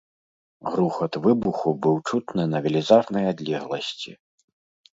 Грукат выбуху быў чутны на велізарнай адлегласці.